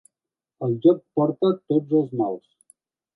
El joc porta tots els mals.